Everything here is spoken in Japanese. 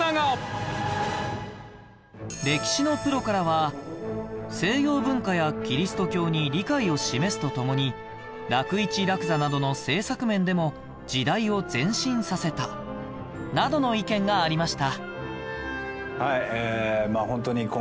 歴史のプロからは西洋文化やキリスト教に理解を示すとともに楽市・楽座などの政策面でも時代を前進させたなどの意見がありました